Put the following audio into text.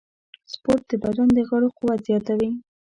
سپورت د بدن د غړو قوت زیاتوي.